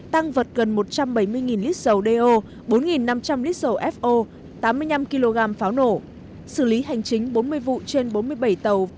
tăng vật gần một trăm bảy mươi lít dầu do bốn năm trăm linh lít dầu fo tám mươi năm kg pháo nổ xử lý hành chính bốn mươi vụ trên bốn mươi bảy tàu